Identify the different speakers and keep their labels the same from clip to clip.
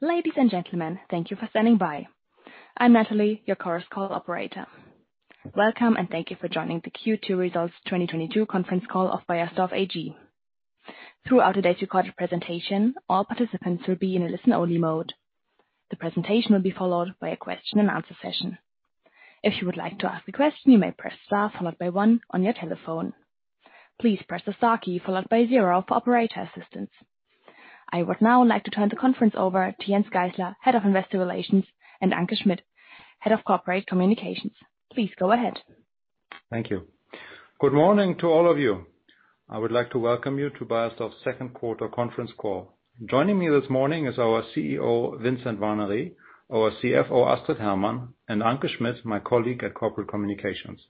Speaker 1: Ladies and gentlemen, thank you for standing by. I'm Natalie, your Chorus Call operator. Welcome, and thank you for joining the Q2 2022 results conference call of Beiersdorf AG. Throughout today's recorded presentation, all participants will be in a listen-only mode. The presentation will be followed by a question-and-answer session. If you would like to ask a question, you may press star followed by one on your telephone. Please press the star key followed by zero for operator assistance. I would now like to turn the conference over to Jens Geißler, Head of Investor Relations, and Anke Schmidt, Head of Corporate Communications. Please go ahead.
Speaker 2: Thank you. Good morning to all of you. I would like to welcome you to Beiersdorf's second quarter conference call. Joining me this morning is our CEO, Vincent Warnery, our CFO, Astrid Hermann, and Anke Schmidt, my colleague at corporate communications.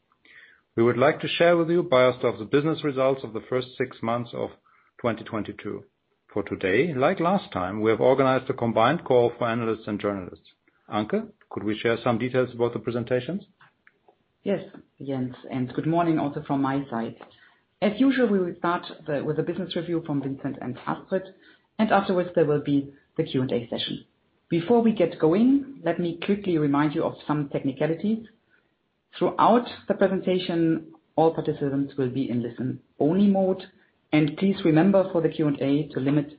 Speaker 2: We would like to share with you Beiersdorf's business results of the first six months of 2022. For today, like last time, we have organized a combined call for analysts and journalists. Anke, could we share some details about the presentations?
Speaker 3: Yes, Jens, and good morning also from my side. As usual, we will start with the business review from Vincent and Astrid, and afterwards there will be the Q&A session. Before we get going, let me quickly remind you of some technicalities. Throughout the presentation, all participants will be in listen-only mode. Please remember for the Q&A to limit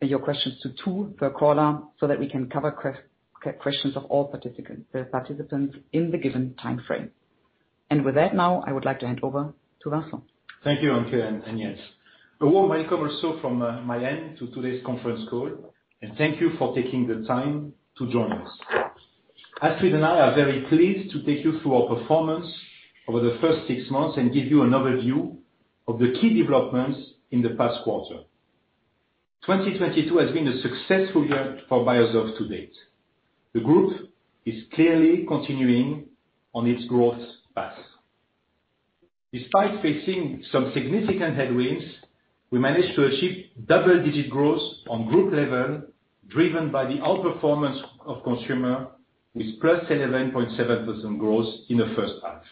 Speaker 3: your questions to two per caller so that we can cover questions of all participants in the given timeframe. With that now, I would like to hand over to Vincent.
Speaker 4: Thank you, Anke and Jens. A warm welcome also from my end to today's conference call, and thank you for taking the time to join us. Astrid and I are very pleased to take you through our performance over the first six months and give you an overview of the key developments in the past quarter. 2022 has been a successful year for Beiersdorf to date. The group is clearly continuing on its growth path. Despite facing some significant headwinds, we managed to achieve double-digit growth on group level driven by the outperformance of consumer with 11.7% growth in the first half.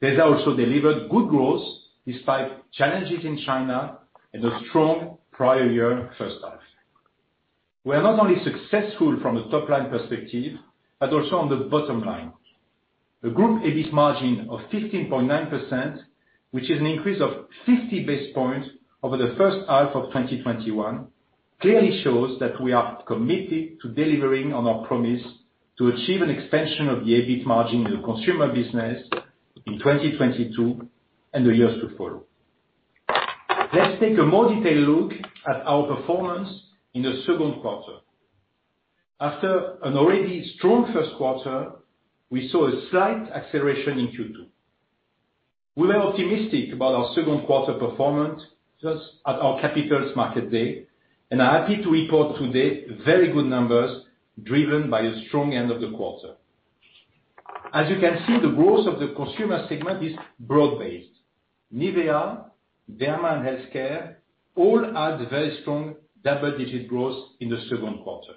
Speaker 4: These also delivered good growth despite challenges in China and a strong prior year first half. We are not only successful from a top-line perspective, but also on the bottom line. The group EBIT margin of 15.9%, which is an increase of 50 basis points over the first half of 2021, clearly shows that we are committed to delivering on our promise to achieve an expansion of the EBIT margin in the consumer business in 2022 and the years to follow. Let's take a more detailed look at our performance in the second quarter. After an already strong first quarter, we saw a slight acceleration in Q2. We were optimistic about our second quarter performance just at our Capital Markets Day, and are happy to report today very good numbers driven by a strong end of the quarter. As you can see, the growth of the consumer segment is broad-based. NIVEA, Derma & Healthcare all had very strong double-digit growth in the second quarter.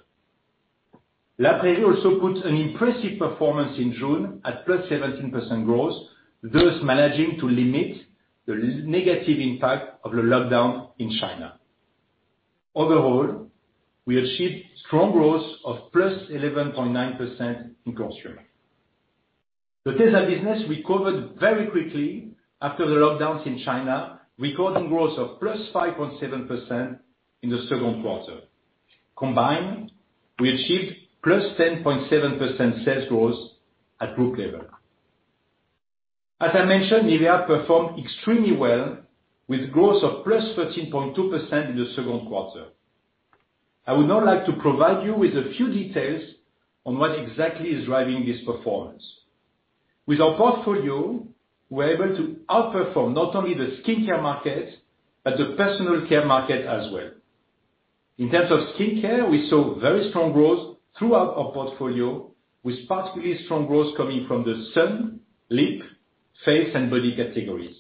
Speaker 4: La Prairie also puts an impressive performance in June at +17% growth, thus managing to limit the negative impact of the lockdown in China. Overall, we achieved strong growth of +11.9% in consumer. The Tesa business recovered very quickly after the lockdowns in China, recording growth of +5.7% in the second quarter. Combined, we achieved +10.7% sales growth at group level. As I mentioned, NIVEA performed extremely well with growth of +13.2% in the second quarter. I would now like to provide you with a few details on what exactly is driving this performance. With our portfolio, we're able to outperform not only the skincare market, but the personal care market as well. In terms of skincare, we saw very strong growth throughout our portfolio, with particularly strong growth coming from the sun, lip, face, and body categories.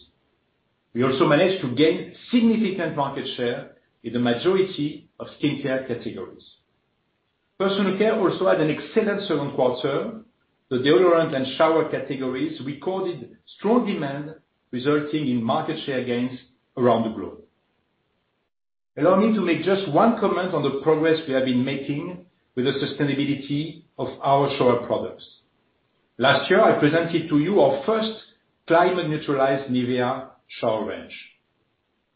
Speaker 4: We also managed to gain significant market share in the majority of skincare categories. Personal care also had an excellent second quarter. The deodorant and shower categories recorded strong demand, resulting in market share gains around the globe. Allow me to make just one comment on the progress we have been making with the sustainability of our shower products. Last year, I presented to you our first climate neutralized NIVEA shower range.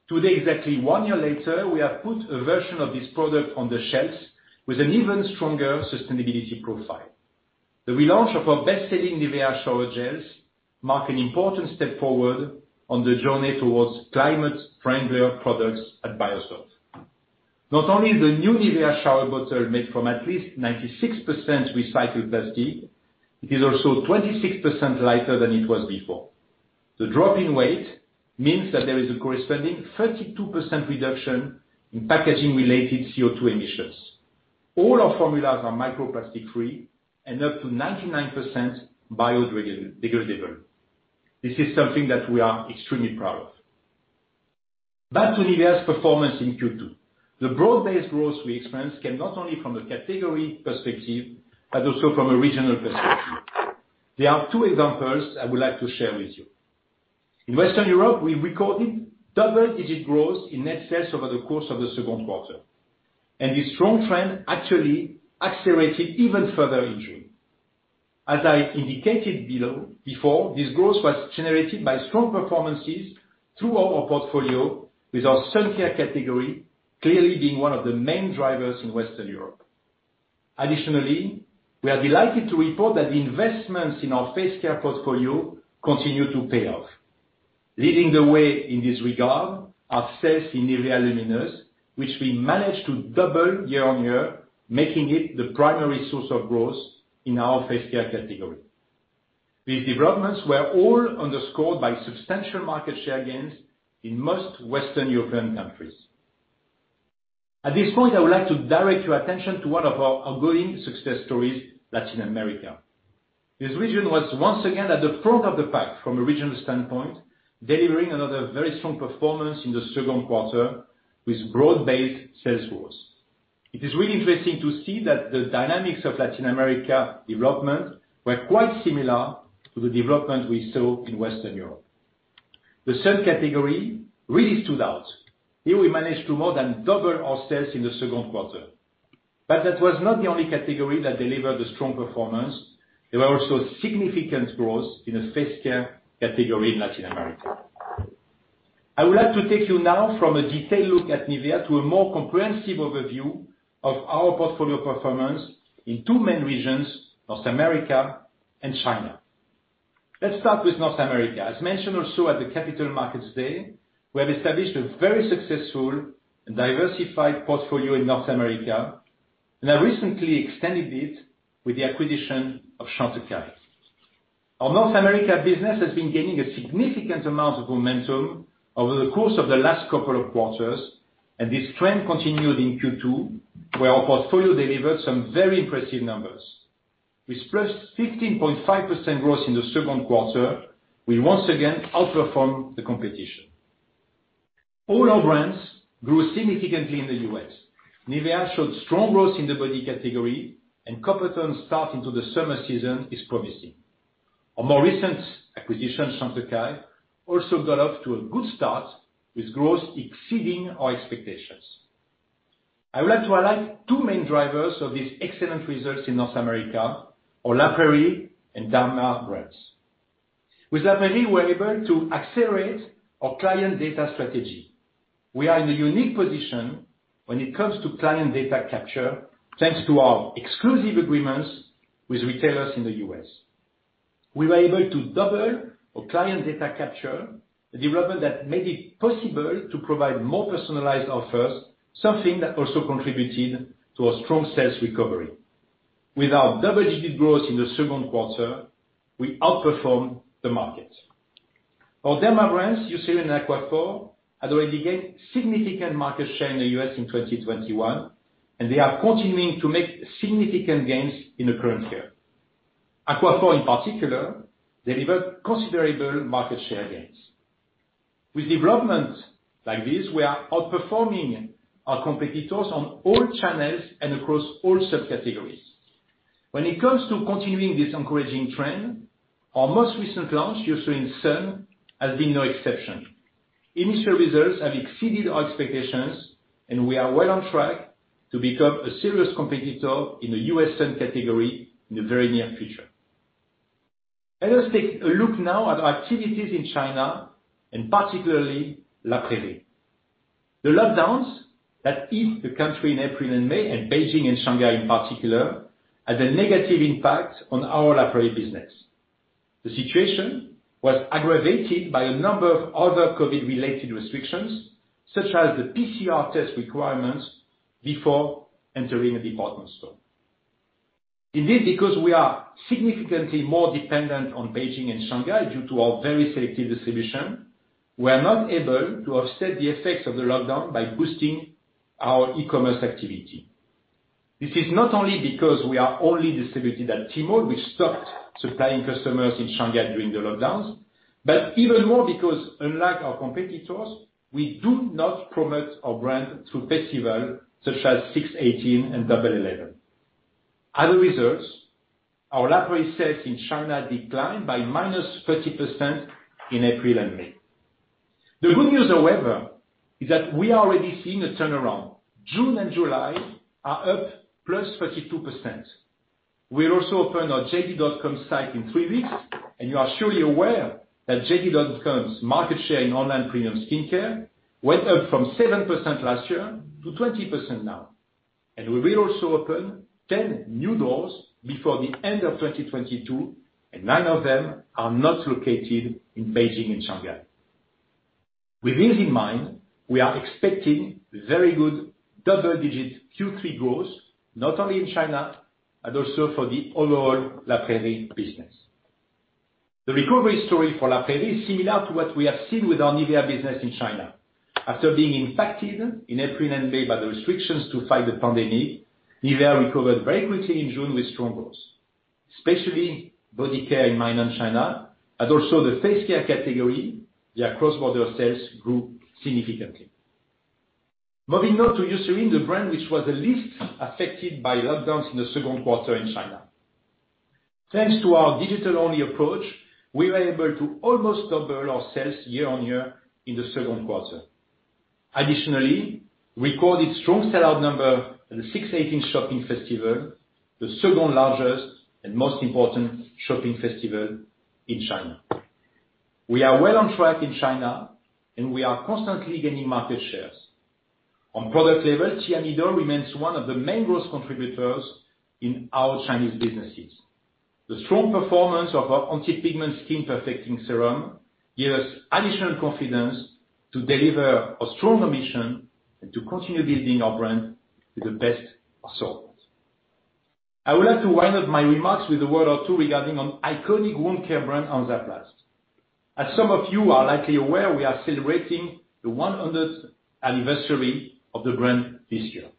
Speaker 4: Today, exactly one year later, we have put a version of this product on the shelves with an even stronger sustainability profile. The relaunch of our best-selling NIVEA shower gels mark an important step forward on the journey towards climate-friendlier products at Beiersdorf. Not only is the new NIVEA shower bottle made from at least 96% recycled plastic, it is also 26% lighter than it was before. The drop in weight means that there is a corresponding 32% reduction in packaging-related CO2 emissions. All our formulas are microplastic free and up to 99% biodegradable. This is something that we are extremely proud of. Back to NIVEA's performance in Q2. The broad-based growth we experienced came not only from a category perspective, but also from a regional perspective. There are two examples I would like to share with you. In Western Europe, we recorded double-digit growth in net sales over the course of the second quarter, and the strong trend actually accelerated even further in June. As I indicated before, this growth was generated by strong performances through our portfolio with our sun care category clearly being one of the main drivers in Western Europe. Additionally, we are delighted to report that the investments in our face care portfolio continue to pay off. Leading the way in this regard are sales in NIVEA Luminous, which we managed to double year-on-year, making it the primary source of growth in our face care category. These developments were all underscored by substantial market share gains in most Western European countries. At this point, I would like to direct your attention to one of our ongoing success stories, Latin America. This region was once again at the front of the pack from a regional standpoint, delivering another very strong performance in the second quarter with broad-based sales growth. It is really interesting to see that the dynamics of Latin America development were quite similar to the development we saw in Western Europe. The sun category really stood out. Here we managed to more than double our sales in the second quarter. That was not the only category that delivered a strong performance. There was also significant growth in the face care category in Latin America. I would like to take you now from a detailed look at NIVEA to a more comprehensive overview of our portfolio performance in two main regions, North America and China. Let's start with North America. As mentioned also at the Capital Markets Day, we have established a very successful and diversified portfolio in North America, and have recently extended it with the acquisition of Chantecaille. Our North America business has been gaining a significant amount of momentum over the course of the last couple of quarters, and this trend continued in Q2, where our portfolio delivered some very impressive numbers. With +15.5% growth in the second quarter, we once again outperformed the competition. All our brands grew significantly in the U.S. NIVEA showed strong growth in the body category, and Coppertone's start into the summer season is promising. Our more recent acquisition, Chantecaille, also got off to a good start with growth exceeding our expectations. I would like to highlight two main drivers of these excellent results in North America, our La Prairie and Derma brands. With La Prairie, we're able to accelerate our client data strategy. We are in a unique position when it comes to client data capture, thanks to our exclusive agreements with retailers in the U.S. We were able to double our client data capture, a development that made it possible to provide more personalized offers, something that also contributed to a strong sales recovery. With our double-digit growth in the second quarter, we outperformed the market. Our Derma brands, Eucerin and Aquaphor, had already gained significant market share in the U.S. in 2021, and they are continuing to make significant gains in the current year. Aquaphor in particular, delivered considerable market share gains. With developments like this, we are outperforming our competitors on all channels and across all subcategories. When it comes to continuing this encouraging trend, our most recent launch, Eucerin Sun, has been no exception. Initial results have exceeded our expectations, and we are well on track to become a serious competitor in the U.S. sun category in the very near future. Let us take a look now at our activities in China, and particularly La Prairie. The lockdowns that hit the country in April and May, and Beijing and Shanghai in particular, had a negative impact on our La Prairie business. The situation was aggravated by a number of other COVID-related restrictions, such as the PCR test requirements before entering a department store. Indeed, because we are significantly more dependent on Beijing and Shanghai due to our very selective distribution, we are not able to offset the effects of the lockdown by boosting our e-commerce activity. This is not only because we are only distributed at Tmall, which stopped supplying customers in Shanghai during the lockdowns, but even more because unlike our competitors, we do not promote our brand through festival such as 618 and Double Eleven. As a result, our La Prairie sales in China declined by -30% in April and May. The good news, however, is that we are already seeing a turnaround. June and July are up +32%. We also opened our JD.com site in three weeks, and you are surely aware that JD.com's market share in online premium skincare went up from 7% last year to 20% now. We will also open 10 new doors before the end of 2022, and nine of them are not located in Beijing and Shanghai. With this in mind, we are expecting very good double-digit Q3 growth, not only in China, but also for the overall La Prairie business. The recovery story for La Prairie is similar to what we have seen with our NIVEA business in China. After being impacted in April and May by the restrictions to fight the pandemic, NIVEA recovered very quickly in June with strong growth, especially body care in mainland China and also the face care category. Their cross-border sales grew significantly. Moving on to Eucerin, the brand which was the least affected by lockdowns in the second quarter in China. Thanks to our digital-only approach, we were able to almost double our sales year-on-year in the second quarter. Additionally, we recorded strong sell out number in the 618 shopping festival, the second largest and most important shopping festival in China. We are well on track in China, and we are constantly gaining market shares. On product level, Thiamidol remains one of the main growth contributors in our Chinese businesses. The strong performance of our anti-pigment skin perfecting serum give us additional confidence to deliver a strong ambition and to continue building our brand with the best results. I would like to wind up my remarks with a word or two regarding an iconic wound care brand, Hansaplast. As some of you are likely aware, we are celebrating the 100th anniversary of the brand this year.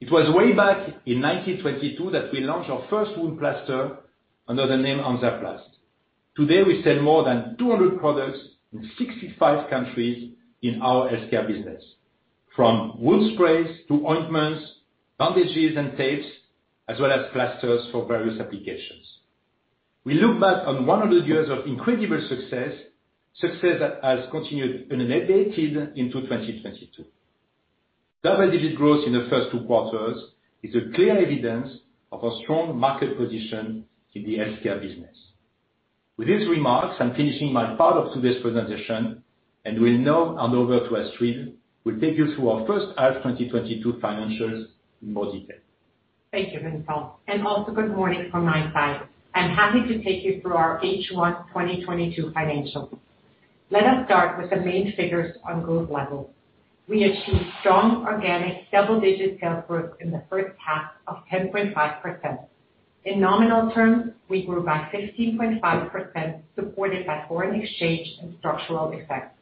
Speaker 4: It was way back in 1922 that we launched our first wound plaster under the name Hansaplast. Today, we sell more than 200 products in 65 countries in our healthcare business, from wound sprays to ointments, bandages and tapes, as well as plasters for various applications. We look back on 100 years of incredible success that has continued unabated into 2022. Double-digit growth in the first two quarters is a clear evidence of a strong market position in the healthcare business. With these remarks, I'm finishing my part of today's presentation, and will now hand over to Astrid, who take you through our first half 2022 financials in more detail.
Speaker 5: Thank you, Vincent, and also good morning from my side. I'm happy to take you through our H1 2022 financials. Let us start with the main figures on group level. We achieved strong organic double-digit sales growth in the first half of 10.5%. In nominal terms, we grew by 15.5%, supported by foreign exchange and structural effects.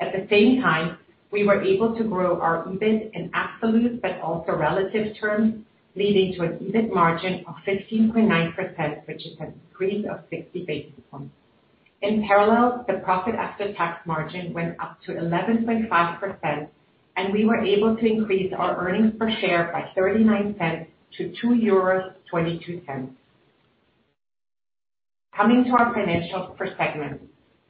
Speaker 5: At the same time, we were able to grow our EBIT in absolute but also relative terms, leading to an EBIT margin of 16.9%, which is an increase of 60 basis points. In parallel, the profit after tax margin went up to 11.5%, and we were able to increase our earnings per share by €0.39-€2.22. Coming to our financials per segment.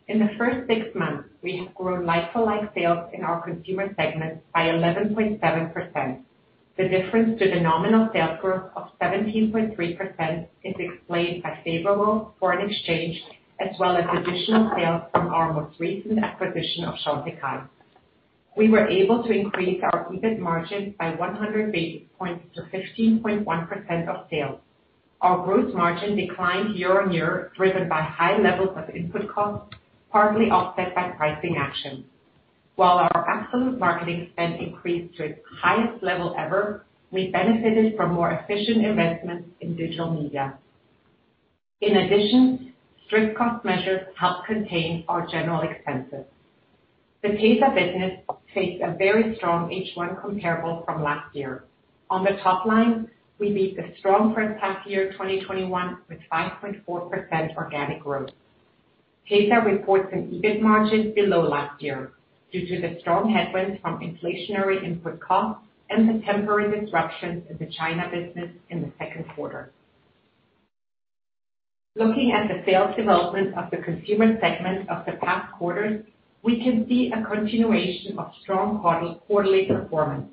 Speaker 5: In the first six months, we have grown like-for-like sales in our consumer segment by 11.7%. The difference to the nominal sales growth of 17.3% is explained by favorable foreign exchange as well as additional sales from our most recent acquisition of Chantecaille. We were able to increase our EBIT margin by 100 basis points to 15.1% of sales. Our gross margin declined year-on-year, driven by high levels of input costs, partly offset by pricing action. While our absolute marketing spend increased to its highest level ever, we benefited from more efficient investments in digital media. In addition, strict cost measures helped contain our general expenses. The Tesa business faced a very strong H1 comparable from last year. On the top line, we beat the strong first half year 2021 with 5.4% organic growth. Tesa reports an EBIT margin below last year due to the strong headwinds from inflationary input costs and the temporary disruptions in the China business in the second quarter. Looking at the sales development of the consumer segment of the past quarters, we can see a continuation of strong quarterly performance.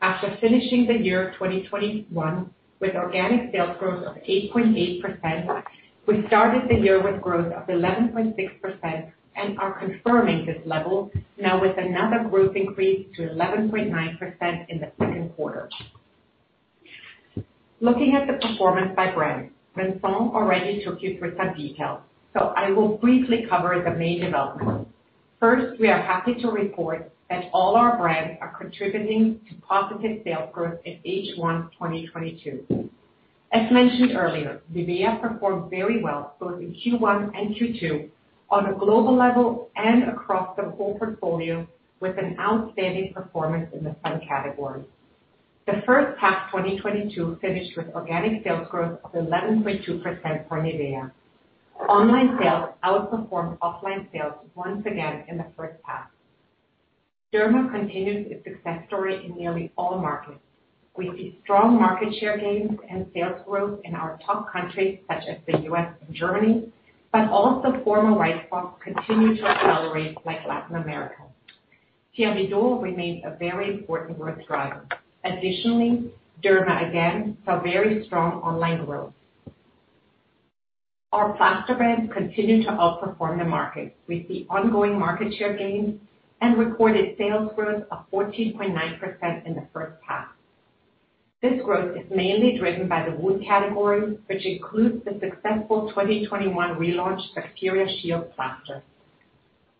Speaker 5: After finishing the year 2021 with organic sales growth of 8.8%, we started the year with growth of 11.6% and are confirming this level now with another growth increase to 11.9% in the second quarter. Looking at the performance by brand, Vincent already took you through some details, so I will briefly cover the main developments. First, we are happy to report that all our brands are contributing to positive sales growth in H1 2022. As mentioned earlier, NIVEA performed very well both in Q1 and Q2 on a global level and across the whole portfolio with an outstanding performance in the sun category. The first half 2022 finished with organic sales growth of 11.2% for NIVEA. Online sales outperformed offline sales once again in the first half. Derma continues its success story in nearly all markets. We see strong market share gains and sales growth in our top countries such as the U.S. and Germany, but also former white spots continue to accelerate like Latin America. Thiamidol remains a very important growth driver. Additionally, Derma again saw very strong online growth. Our plaster brands continue to outperform the market with the ongoing market share gains and recorded sales growth of 14.9% in the first half. This growth is mainly driven by the wound category, which includes the successful 2021 relaunch of the Bacteria Shield plaster.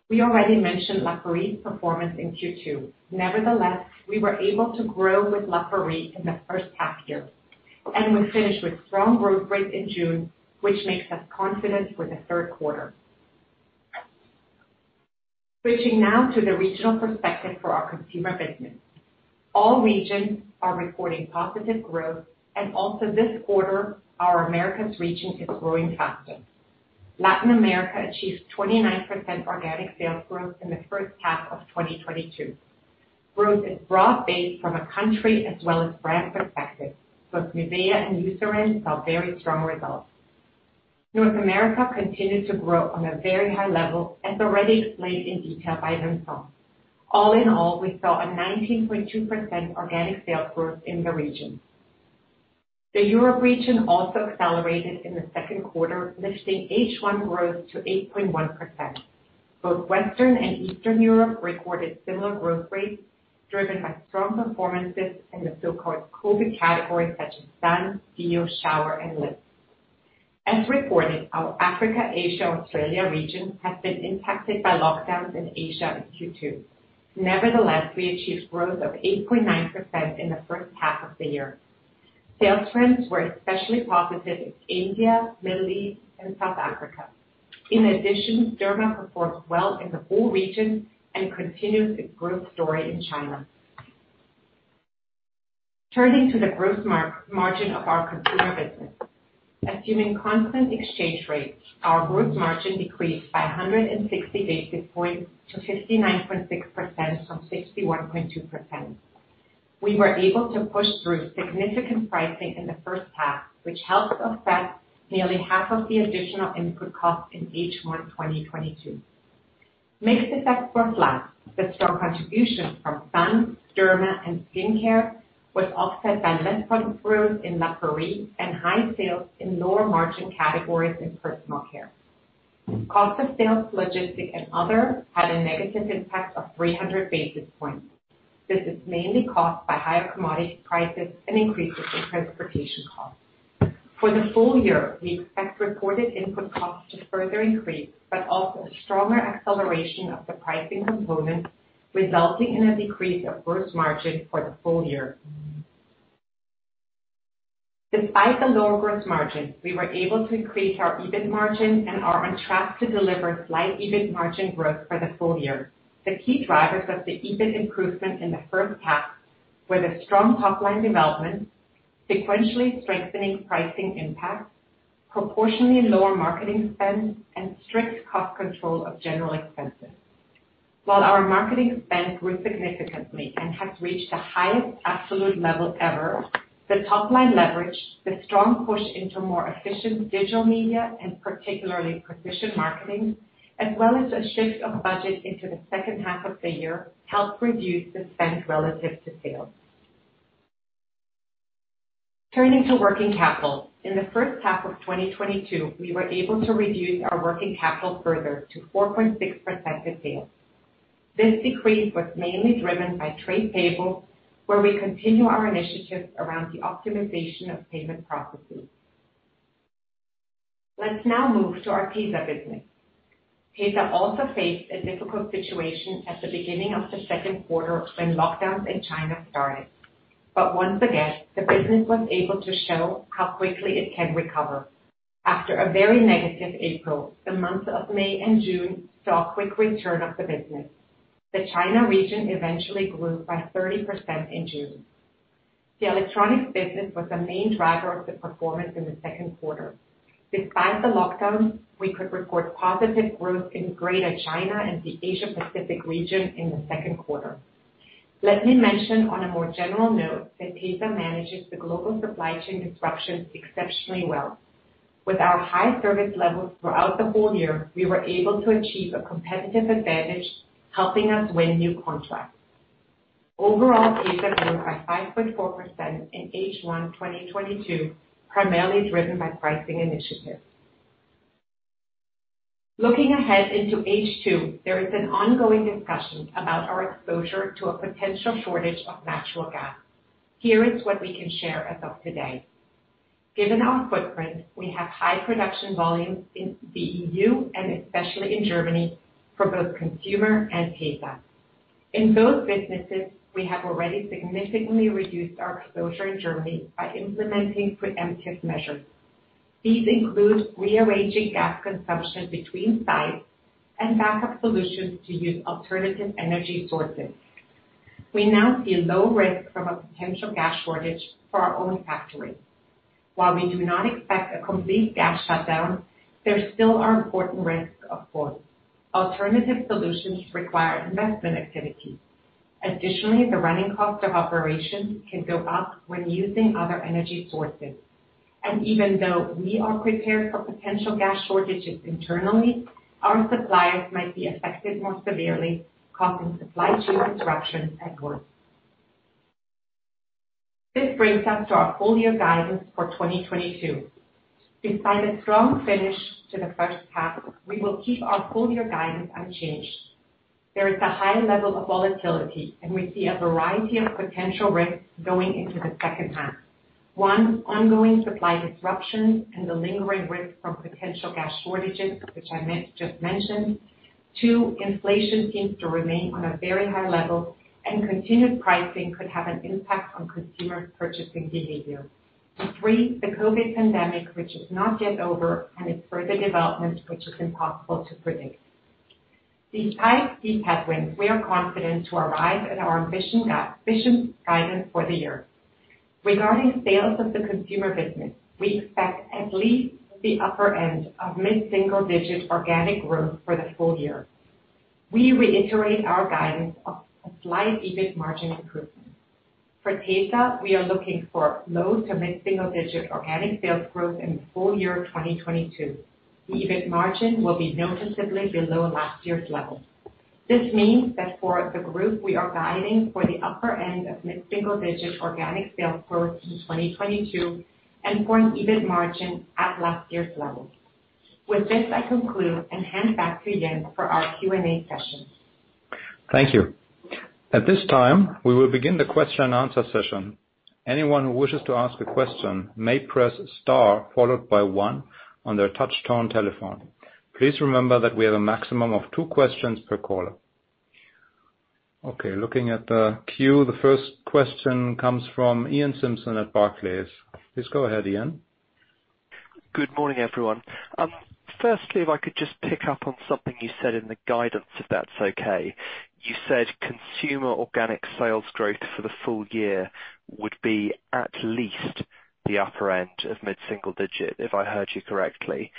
Speaker 5: We already mentioned La Prairie performance in Q2. Nevertheless, we were able to grow with La Prairie in the first half year, and we finished with strong growth rates in June, which makes us confident for the third quarter. Switching now to the regional perspective for our consumer business. All regions are recording positive growth and also this quarter our Americas region is growing faster. Latin America achieved 29% organic sales growth in the first half of 2022. Growth is broad-based from a country as well as brand perspective. Both NIVEA and Eucerin saw very strong results. North America continued to grow on a very high level, as already explained in detail by Vincent. All in all, we saw a 19.2% organic sales growth in the region. The Europe region also accelerated in the second quarter, lifting H1 growth to 8.1%. Both Western and Eastern Europe recorded similar growth rates, driven by strong performances in the so-called COVID categories such as sun, deo, shower and lips. As reported, our Africa, Asia, Australia region has been impacted by lockdowns in Asia in Q2. Nevertheless, we achieved growth of 8.9% in the first half of the year. Sales trends were especially positive in India, Middle East and South Africa. In addition, Derma performed well in the whole region and continues its growth story in China. Turning to the gross margin of our consumer business. Assuming constant exchange rates, our gross margin decreased by 160 basis points to 59.6% from 61.2%. We were able to push through significant pricing in the first half, which helped offset nearly half of the additional input costs in H1 2022. Mix effects were flat. The strong contribution from sun, Derma and skincare was offset by less product growth in La Prairie and high sales in lower margin categories in personal care. Cost of sales, logistics and other had a negative impact of 300 basis points. This is mainly caused by higher commodity prices and increases in transportation costs. For the full year, we expect reported input costs to further increase, but also a stronger acceleration of the pricing component, resulting in a decrease of gross margin for the full year. Despite the lower gross margin, we were able to increase our EBT margin and are on track to deliver slight EBIT margin growth for the full year. The key drivers of the EBIT improvement in the first half were the strong top line development, sequentially strengthening pricing impact, proportionally lower marketing spend, and strict cost control of general expenses. While our marketing spend grew significantly and has reached the highest absolute level ever, the top line leverage, the strong push into more efficient digital media, and particularly precision marketing, as well as a shift of budget into the second half of the year, helped reduce the spend relative to sales. Turning to working capital. In the first half of 2022, we were able to reduce our working capital further to 4.6% of sales. This decrease was mainly driven by trade payables, where we continue our initiatives around the optimization of payment processes. Let's now move to our Tesa business. Tesa also faced a difficult situation at the beginning of the second quarter when lockdowns in China started. Once again, the business was able to show how quickly it can recover. After a very negative April, the months of May and June saw a quick return of the business. The China region eventually grew by 30% in June. The electronics business was the main driver of the performance in the second quarter. Despite the lockdowns, we could report positive growth in Greater China and the Asia Pacific region in the second quarter. Let me mention on a more general note that Tesa manages the global supply chain disruptions exceptionally well. With our high service levels throughout the whole year, we were able to achieve a competitive advantage, helping us win new contracts. Overall, Tesa grew by 5.4% in H1 2022, primarily driven by pricing initiatives. Looking ahead into H2, there is an ongoing discussion about our exposure to a potential shortage of natural gas. Here is what we can share as of today. Given our footprint, we have high production volumes in the EU and especially in Germany for both Consumer and Tesa. In both businesses, we have already significantly reduced our exposure in Germany by implementing preemptive measures. These include rearranging gas consumption between sites and backup solutions to use alternative energy sources. We now see a low risk from a potential gas shortage for our own factories. While we do not expect a complete gas shutdown, there still are important risks, of course. Alternative solutions require investment activity. Additionally, the running cost of operations can go up when using other energy sources. Even though we are prepared for potential gas shortages internally, our suppliers might be affected more severely, causing supply chain disruptions at worst. This brings us to our full-year guidance for 2022. Despite a strong finish to the first half, we will keep our full-year guidance unchanged. There is a high level of volatility, and we see a variety of potential risks going into the second half. One, ongoing supply disruptions and the lingering risk from potential gas shortages, which I just mentioned. Two, inflation seems to remain on a very high level and continued pricing could have an impact on consumer purchasing behavior. Three, the COVID pandemic which is not yet over, and its further development, which is impossible to predict. Despite these headwinds, we are confident to arrive at our ambitious guidance for the year. Regarding sales of the consumer business, we expect at least the upper end of mid-single digit organic growth for the full year. We reiterate our guidance of a slight EBIT margin improvement. For Tesa we are looking for low to mid-single digit organic sales growth in full year 2022. The EBIT margin will be noticeably below last year's level. This means that for the group, we are guiding for the upper end of mid-single digit organic sales growth in 2022 and for an EBIT margin at last year's level. With this, I conclude and hand back to Jens for our Q&A session.
Speaker 2: Thank you. At this time, we will begin the question-and-answer session. Anyone who wishes to ask a question may press star followed by one on their touchtone telephone. Please remember that we have a maximum of two questions per caller. Okay, looking at the queue, the first question comes from Iain Simpson at Barclays. Please go ahead, Iain.
Speaker 6: Good morning, everyone. Firstly, if I could just pick up on something you said in the guidance, if that's okay. You said consumer organic sales growth for the full year would be at least the upper end of mid-single digit, if I heard you correctly.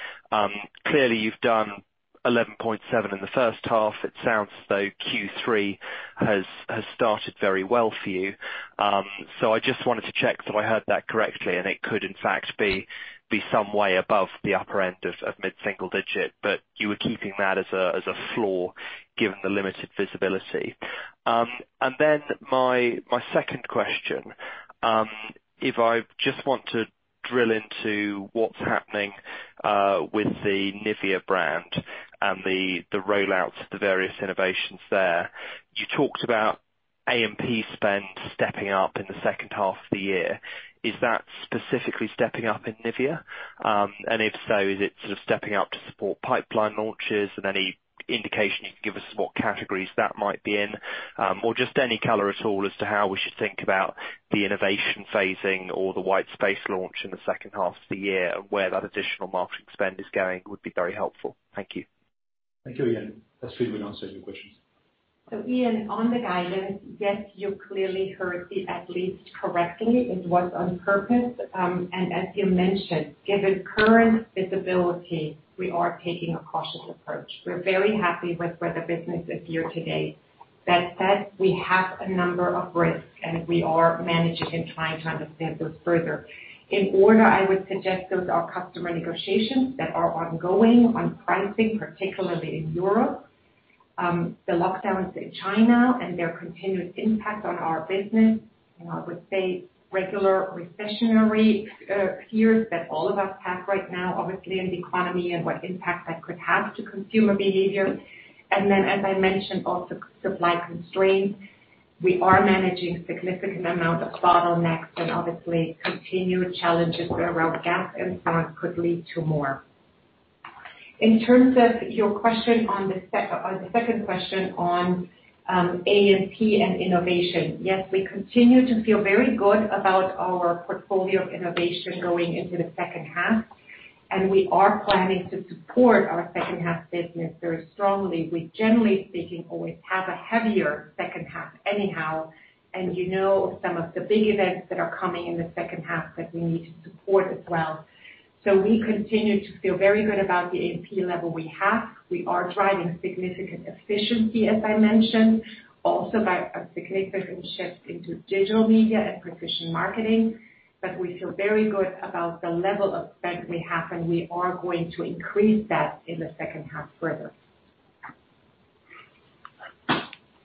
Speaker 6: Clearly you've done 11.7% in the first half. It sounds as though Q3 has started very well for you. So I just wanted to check that I heard that correctly, and it could in fact be some way above the upper end of mid-single digit, but you were keeping that as a floor, given the limited visibility. My second question, if I just want to drill into what's happening with the NIVEA brand and the rollouts of the various innovations there. You talked about A&P spend stepping up in the second half of the year. Is that specifically stepping up in NIVEA? If so, is it sort of stepping up to support pipeline launches and any indication you can give us what categories that might be in? Just any color at all as to how we should think about the innovation phasing or the white space launch in the second half of the year and where that additional marketing spend is going would be very helpful. Thank you.
Speaker 2: Thank you, Ian. Astrid will answer your questions.
Speaker 5: Iain, on the guidance, yes, you clearly heard the at least correctly. It was on purpose. As you mentioned, given current visibility, we are taking a cautious approach. We're very happy with where the business is here today. That said, we have a number of risks, and we are managing and trying to understand those further. In order, I would suggest those are customer negotiations that are ongoing on pricing, particularly in Europe, the lockdowns in China and their continued impact on our business. You know, I would say regular recessionary fears that all of us have right now, obviously in the economy and what impact that could have to consumer behavior. As I mentioned, also supply constraints. We are managing significant amount of bottlenecks and obviously continued challenges around gas and so on could lead to more. In terms of your question on the second question on A&P and innovation. Yes, we continue to feel very good about our portfolio of innovation going into the second half, and we are planning to support our second half business very strongly. We, generally speaking, always have a heavier second half anyhow, and you know some of the big events that are coming in the second half that we need to support as well. We continue to feel very good about the A&P level we have. We are driving significant efficiency, as I mentioned, also by a significant shift into digital media and precision marketing. We feel very good about the level of spend we have, and we are going to increase that in the second half further.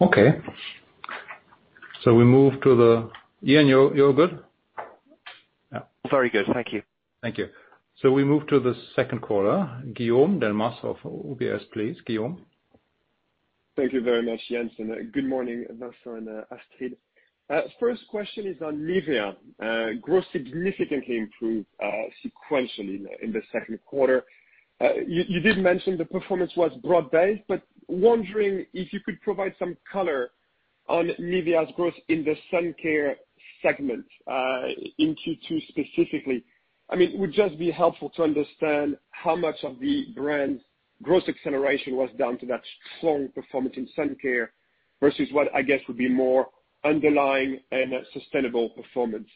Speaker 2: Okay. We move to Iain, you're all good? Yeah.
Speaker 6: Very good. Thank you.
Speaker 2: Thank you. We move to the second caller, Guillaume Delmas of UBS, please. Guillaume?
Speaker 7: Thank you very much, Jens, and good morning, Vincent and Astrid. First question is on NIVEA. Growth significantly improved sequentially in the second quarter. You did mention the performance was broad-based, but wondering if you could provide some color on NIVEA's growth in the sun care segment in Q2 specifically. I mean, it would just be helpful to understand how much of the brand's growth acceleration was down to that strong performance in sun care versus what I guess would be more underlying and sustainable performance.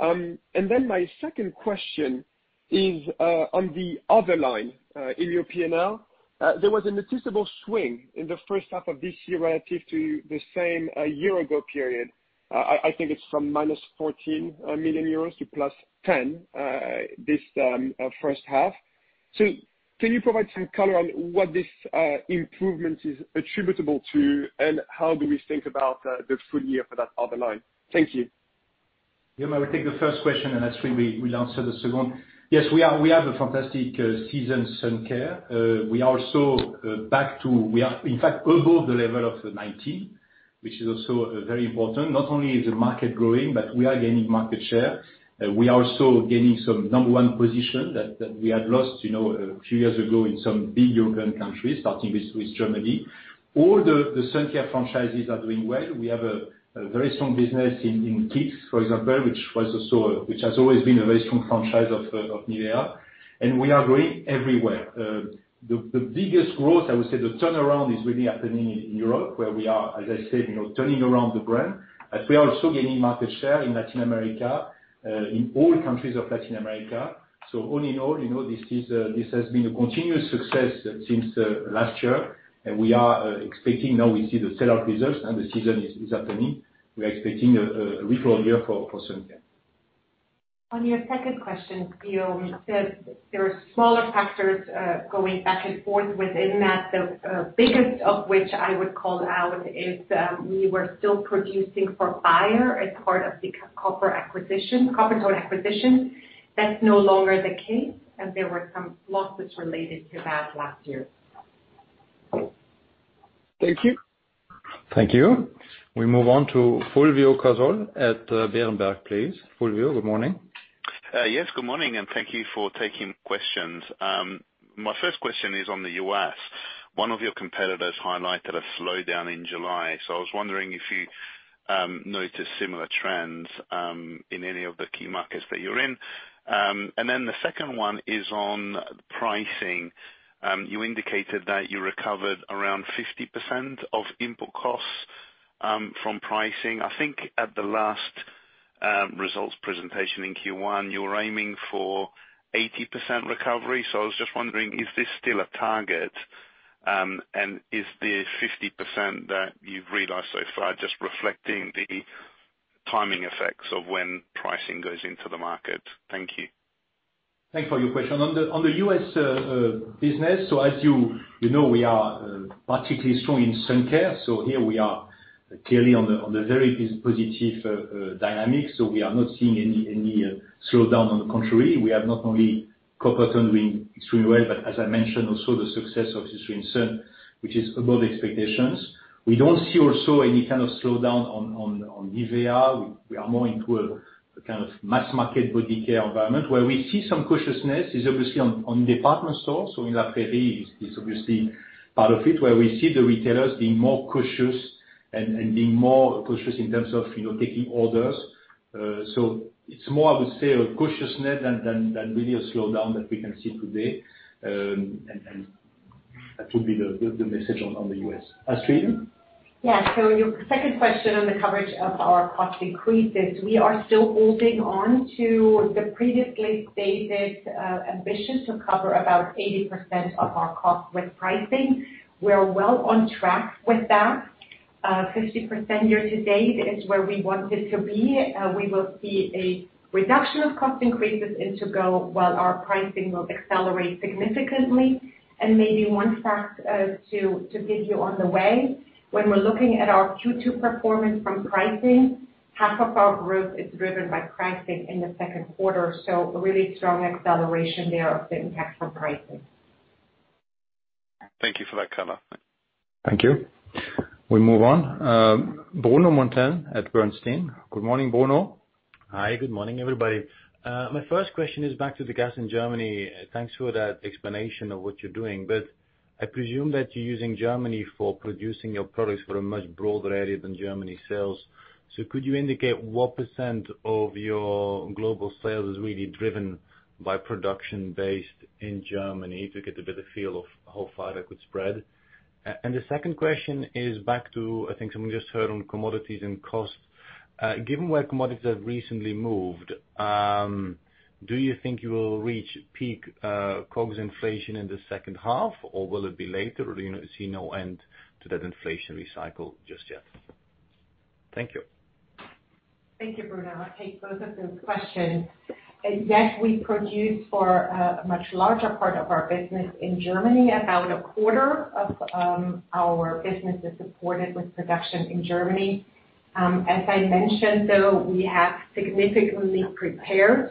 Speaker 7: And then my second question is on the other line in your P&L. There was a noticeable swing in the first half of this year relative to the same year ago period. I think it's from -14 million euros to +10 million this first half. Can you provide some color on what this improvement is attributable to, and how do we think about the full year for that other line? Thank you.
Speaker 4: Yeah, I will take the first question, and Astrid, we'll answer the second. Yes, we have a fantastic sun care season. We are also, in fact, above the level of 2019, which is also very important. Not only is the market growing, but we are gaining market share. We are also gaining some number one position that we had lost, you know, a few years ago in some big European countries, starting with Germany. All the sun care franchises are doing well. We have a very strong business in kids, for example, which has always been a very strong franchise of NIVEA. We are growing everywhere. The biggest growth, I would say, the turnaround is really happening in Europe, where we are, as I said, you know, turning around the brand. We are also gaining market share in Latin America, in all countries of Latin America. All in all, you know, this has been a continuous success since last year. We are expecting. Now we see the sellout results and the season is happening. We are expecting a record year for sun care.
Speaker 5: On your second question, Guillaume, there are smaller factors going back and forth within that. The biggest of which I would call out is, we were still producing for Bayer as part of the Coppertone acquisition. That's no longer the case, and there were some losses related to that last year.
Speaker 7: Thank you.
Speaker 2: Thank you. We move on to Fulvio Cazzol at Berenberg, please. Fulvio, good morning.
Speaker 8: Yes, good morning, and thank you for taking questions. My first question is on the U.S. One of your competitors highlighted a slowdown in July. I was wondering if you noticed similar trends in any of the key markets that you're in. The second one is on pricing. You indicated that you recovered around 50% of input costs from pricing. I think at the last results presentation in Q1, you were aiming for 80% recovery. I was just wondering, is this still a target? Is the 50% that you've realized so far just reflecting the timing effects of when pricing goes into the market? Thank you.
Speaker 4: Thanks for your question. On the U.S. business, as you know, we are particularly strong in sun care. Here we are clearly on a very positive dynamic. We are not seeing any slowdown. On the contrary, we have not only Coppertone doing extremely well, but as I mentioned, also the success of Eucerin Sun, which is above expectations. We don't see also any kind of slowdown on NIVEA. We are more into a kind of mass-market body care environment. Where we see some cautiousness is obviously on department stores. In Africa is obviously part of it where we see the retailers being more cautious and being more cautious in terms of you know, taking orders. It's more, I would say, a cautiousness than really a slowdown that we can see today. That would be the message on the U.S. Astrid?
Speaker 5: Yeah. Your second question on the coverage of our cost increases, we are still holding on to the previously stated ambition to cover about 80% of our costs with pricing. We're well on track with that. 50% year to date is where we want this to be. We will see a reduction of cost increases in To Go while our pricing will accelerate significantly. Maybe one fact to give you on the way, when we're looking at our Q2 performance from pricing, half of our growth is driven by pricing in the second quarter. A really strong acceleration there of the impact from pricing.
Speaker 8: Thank you for that color.
Speaker 2: Thank you. We move on. Bruno Monteyne at Bernstein. Good morning, Bruno.
Speaker 9: Hi, good morning, everybody. My first question is back to the gas in Germany. Thanks for that explanation of what you're doing. I presume that you're using Germany for producing your products for a much broader area than Germany sales. Could you indicate what percent of your global sales is really driven by production based in Germany to get a bit of feel of how far that could spread? The second question is back to, I think, something we just heard on commodities and costs. Given where commodities have recently moved, do you think you will reach peak COGS inflation in the second half, or will it be later, or do you see no end to that inflationary cycle just yet? Thank you.
Speaker 5: Thank you, Bruno. I'll take both of those questions. Yes, we produce for a much larger part of our business in Germany. About a quarter of our business is supported with production in Germany. As I mentioned, though, we have significantly prepared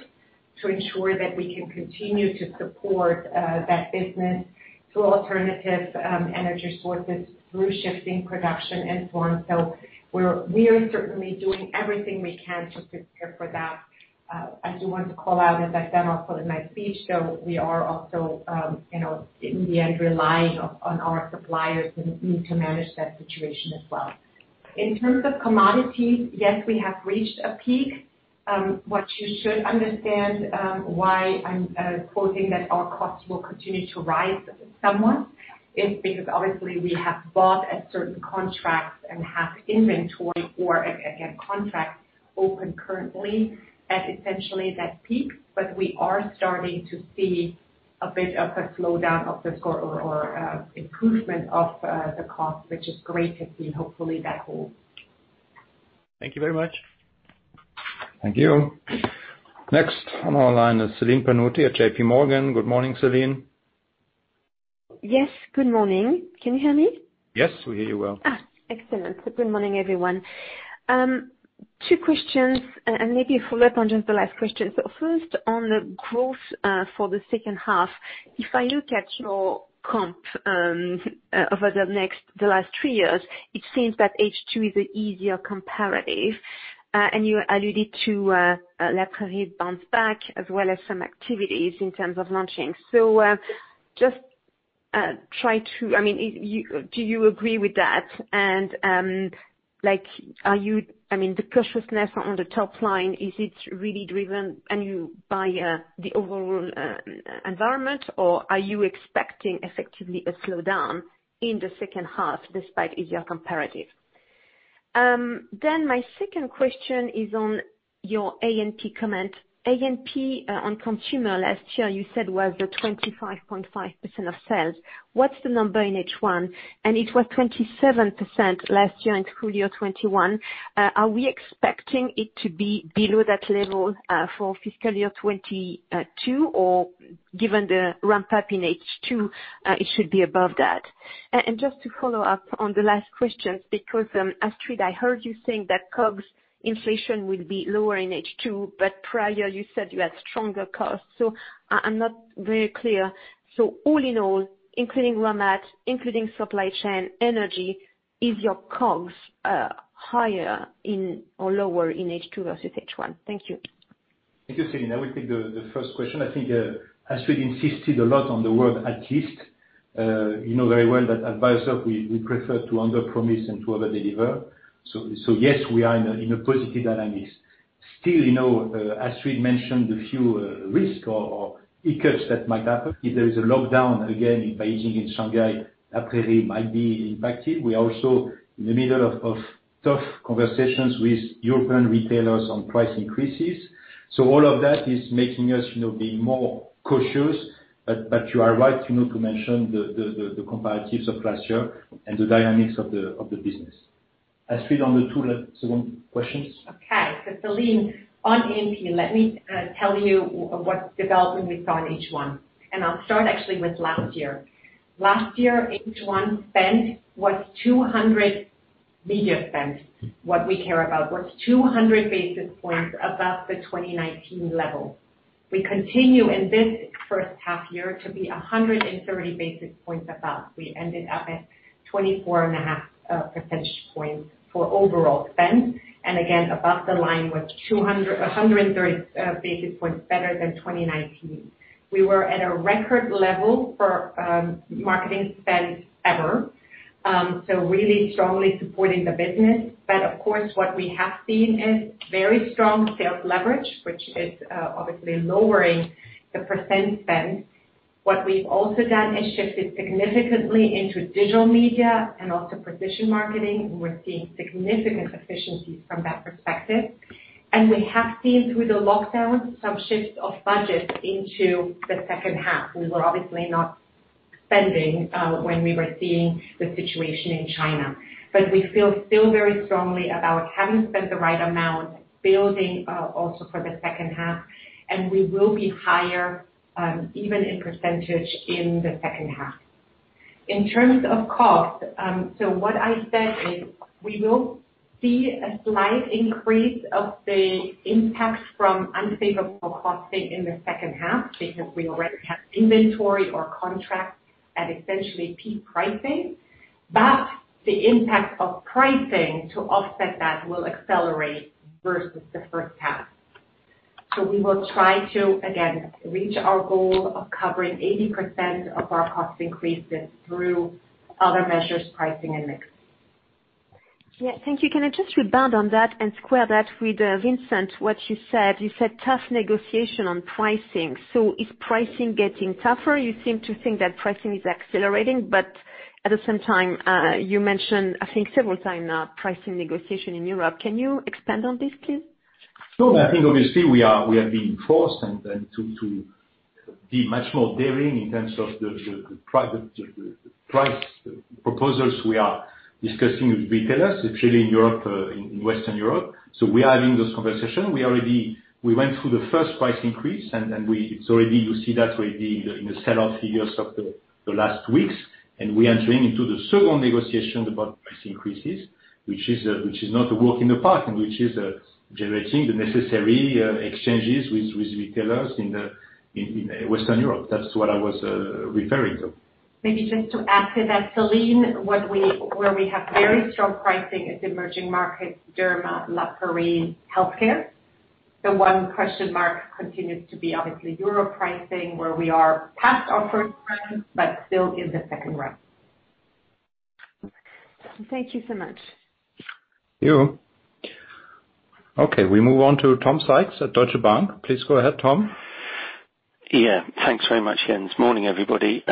Speaker 5: to ensure that we can continue to support that business through alternative energy sources, through shifting production and so on. We are certainly doing everything we can to prepare for that. I do want to call out, as I said also in my speech, though, we are also, you know, in the end, relying on our suppliers' need to manage that situation as well. In terms of commodities, yes, we have reached a peak. What you should understand why I'm quoting that our costs will continue to rise somewhat is because obviously we have bought a certain contract and have inventory or a contract open currently at essentially that peak. But we are starting to see a bit of a slowdown of the sourcing or improvement of the cost, which is great. Hopefully that holds.
Speaker 9: Thank you very much.
Speaker 2: Thank you. Next on our line is Celine Pannuti at JPMorgan. Good morning, Celine.
Speaker 10: Yes, good morning. Can you hear me?
Speaker 2: Yes, we hear you well.
Speaker 10: Excellent. Good morning, everyone. Two questions and maybe a follow-up on just the last question. First on the growth for the second half, if I look at your comp over the last three years, it seems that H2 is an easier comparative. You alluded to La Prairie bounce back as well as some activities in terms of launching. I mean, do you agree with that? Like, I mean, the cautiousness on the top line, is it really driven by the overall environment or are you expecting effectively a slowdown in the second half despite easier comparative? My second question is on your A&P comment. A&P on consumer last year, you said was the 25.5% of sales. What's the number in H1? And it was 27% last year in full year 2021. Are we expecting it to be below that level for fiscal year 2022, or given the ramp up in H2, it should be above that? Just to follow up on the last question because, Astrid, I heard you saying that COGS inflation will be lower in H2, but prior you said you had stronger costs, so I'm not very clear. All in all, including raw mat, including supply chain, energy, is your COGS higher in or lower in H2 versus H1? Thank you.
Speaker 4: Thank you, Celine. I will take the first question. I think Astrid insisted a lot on the word at least. You know very well that at Beiersdorf we prefer to underpromise and to overdeliver. Yes, we are in a positive dynamics. Still, you know, Astrid mentioned the few risks or hiccups that might happen if there is a lockdown again in Beijing and Shanghai. La Prairie might be impacted. We're also in the middle of tough conversations with European retailers on price increases. All of that is making us, you know, be more cautious. You are right, you know, to mention the comparatives of last year and the dynamics of the business. Astrid, on the second questions.
Speaker 5: Celine, on A&P, let me tell you what development we saw in H1, and I'll start actually with last year. Last year, H1 spend was 200 basis points above the 2019 level. Media spend, what we care about, was 200 basis points above the 2019 level. We continue in this first half year to be 130 basis points above. We ended up at 24.5 percentage points for overall spend, and again, above the line was 130 basis points better than 2019. We were at a record level for marketing spend ever, so really strongly supporting the business. But of course, what we have seen is very strong sales leverage, which is obviously lowering the percentage spend. What we've also done is shifted significantly into digital media and also precision marketing, and we're seeing significant efficiencies from that perspective. We have seen through the lockdown some shifts of budgets into the second half. We were obviously not spending when we were seeing the situation in China. We feel still very strongly about having spent the right amount building also for the second half, and we will be higher even in percentage in the second half. In terms of cost, so what I said is we will see a slight increase of the impact from unfavorable costing in the second half because we already have inventory or contracts at essentially peak pricing. The impact of pricing to offset that will accelerate versus the first half. We will try to, again, reach our goal of covering 80% of our cost increases through other measures, pricing and mix.
Speaker 11: Yeah. Thank you. Can I just rebound on that and square that with, Vincent, what you said? You said tough negotiation on pricing. Is pricing getting tougher? You seem to think that pricing is accelerating, but at the same time, you mentioned, I think several times now, pricing negotiation in Europe. Can you expand on this, please?
Speaker 4: Sure. I think obviously we are being forced and to be much more daring in terms of the price proposals we are discussing with retailers, especially in Europe, in Western Europe. We are having those conversations. We went through the first price increase and it's already. You see that already in the sellout figures of the last weeks. We are entering into the second negotiation about price increases, which is not a walk in the park and which is generating the necessary exchanges with retailers in Western Europe. That's what I was referring to.
Speaker 5: Maybe just to add to that, Celine, where we have very strong pricing is emerging markets, Derma, La Prairie, healthcare. The one question mark continues to be obviously Europe pricing, where we are past our first round, but still in the second round.
Speaker 10: Thank you so much.
Speaker 2: Thank you. Okay, we move on to Tom Sykes at Deutsche Bank. Please go ahead, Tom.
Speaker 12: Yeah. Thanks very much, Jens. Morning, everybody.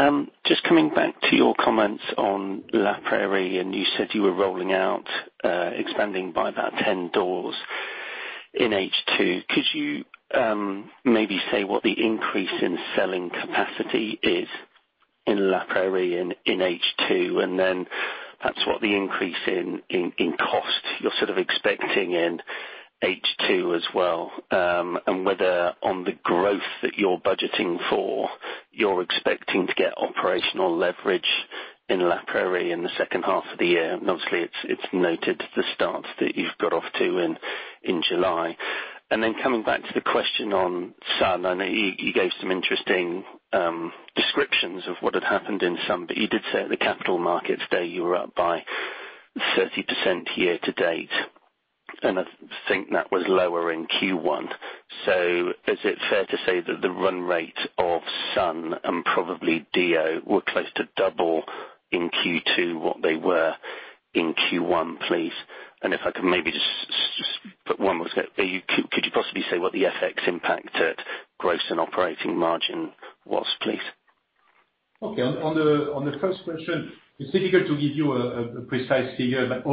Speaker 12: Just coming back to your comments on La Prairie, and you said you were rolling out, expanding by about 10 doors in H2. Could you maybe say what the increase in selling capacity is in La Prairie in H2, and then that's what the increase in cost you're sort of expecting in H2 as well, and whether on the growth that you're budgeting for, you're expecting to get operational leverage in La Prairie in the second half of the year. Obviously it's noted the start that you've got off to in July. Coming back to the question on Sun, I know you gave some interesting descriptions of what had happened in Sun, but you did say at the capital markets day you were up by 30% year-to-date, and I think that was lower in Q1. Is it fair to say that the run rate of Sun and probably DO were close to double in Q2 what they were in Q1, please? If I could maybe just put one more, could you possibly say what the FX impact at gross and operating margin was, please?
Speaker 4: Okay. On the first question, it's difficult to give you a precise figure, but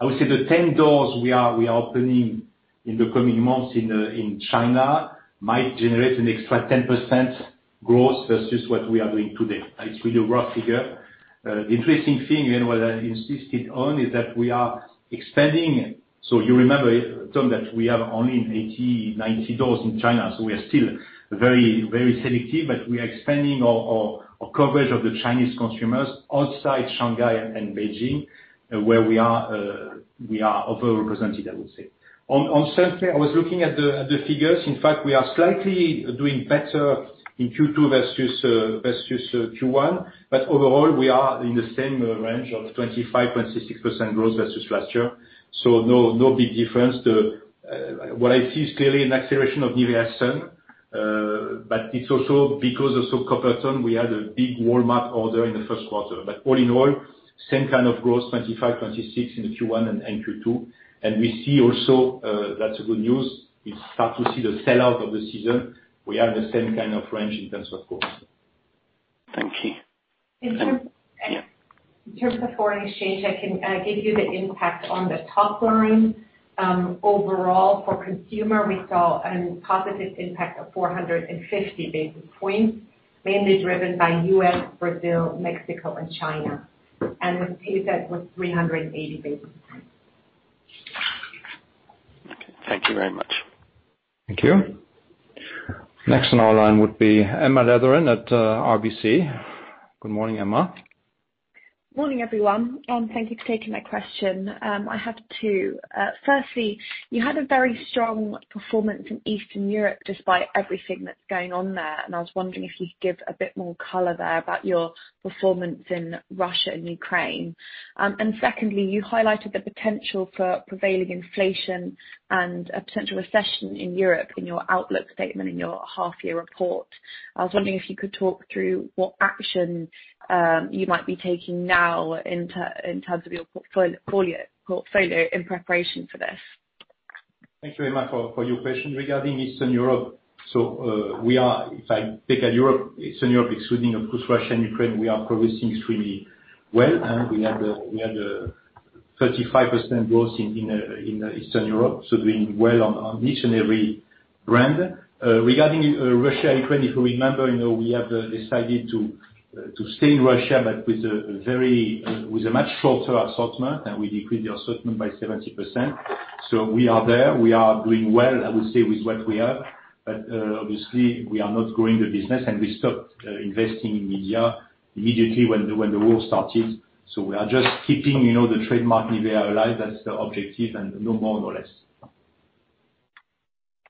Speaker 4: I would say the 10 doors we are opening in the coming months in China might generate an extra 10% growth versus what we are doing today. It's really a rough figure. The interesting thing, and what I insisted on, is that we are expanding. You remember, Tom, that we have only 80, 90 doors in China, so we are still very, very selective, but we are expanding our coverage of the Chinese consumers outside Shanghai and Beijing, where we are overrepresented, I would say. On sun, I was looking at the figures. In fact, we are slightly doing better in Q2 versus Q1, but overall, we are in the same range of 25%-26% growth versus last year. No big difference. What I see is clearly an acceleration of NIVEA Sun, but it's also because of Coppertone. We had a big Walmart order in the first quarter. All in all, same kind of growth, 25%-26% in the Q1 and in Q2. We see also, that's good news. We start to see the sellout of the season. We have the same kind of range in terms of course.
Speaker 12: Thank you.
Speaker 5: In terms of foreign exchange, I can give you the impact on the top line. Overall, for consumer, we saw a positive impact of 450 basis points, mainly driven by U.S., Brazil, Mexico and China. With Tesa it was 380 basis points.
Speaker 12: Okay. Thank you very much.
Speaker 2: Thank you. Next on our line would be Emma Letheren at RBC. Good morning, Emma.
Speaker 13: Morning, everyone, and thank you for taking my question. I have two. Firstly, you had a very strong performance in Eastern Europe despite everything that's going on there, and I was wondering if you could give a bit more color there about your performance in Russia and Ukraine. Secondly, you highlighted the potential for prevailing inflation and a potential recession in Europe in your outlook statement in your half year report. I was wondering if you could talk through what action you might be taking now in terms of your portfolio in preparation for this.
Speaker 4: Thank you, Emma, for your question. Regarding Eastern Europe, if I take out Eastern Europe, excluding, of course, Russia and Ukraine, we are progressing extremely well. We had a 35% growth in Eastern Europe, doing well on each and every brand. Regarding Russia and Ukraine, if you remember, we have decided to stay in Russia, but with a much shorter assortment, and we decreased the assortment by 70%. We are there, we are doing well, I would say, with what we have, but obviously, we are not growing the business and we stopped investing immediately when the war started. We are just keeping the trademark NIVEA alive. That's the objective and no more, no less.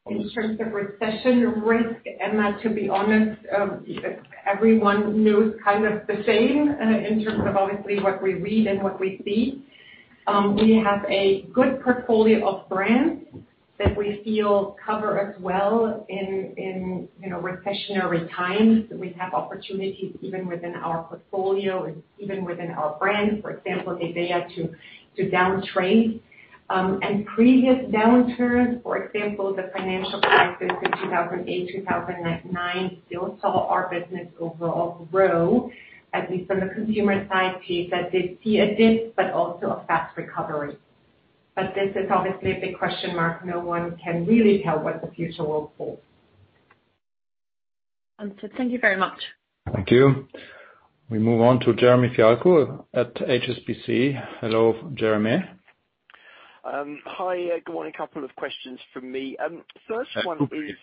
Speaker 5: In terms of recession risk, Emma, to be honest, everyone knows kind of the same, in terms of obviously what we read and what we see. We have a good portfolio of brands that we feel cover us well in you know, recessionary times. We have opportunities even within our portfolio, even within our brands. For example, NIVEA to down trade. Previous downturns, for example, the financial crisis in 2008/2009, still saw our business overall grow, at least from the consumer side. Tesa did see a dip, but also a fast recovery. This is obviously a big question mark. No one can really tell what the future will hold.
Speaker 13: Answered. Thank you very much.
Speaker 2: Thank you. We move on to Jeremy Fialko at HSBC. Hello, Jeremy.
Speaker 14: Hi, good morning. A couple of questions from me. First one is-